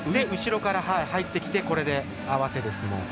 後ろから、入ってきてこれで合わせです。